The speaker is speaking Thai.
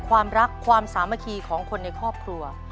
ความรักความสามัคคีของคนในครอบครัว